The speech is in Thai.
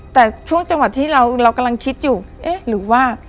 แต่ช่วงจังหวัดที่เรากำลังคิดอยู่เอ๊ะหรือว่า